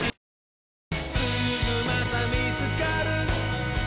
「すぐまたみつかる」